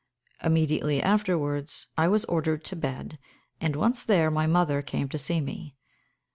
Immediately afterwards I was ordered to bed, and, once there, my mother came to see me.